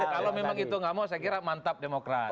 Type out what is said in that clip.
kalau memang itu nggak mau saya kira mantap demokrat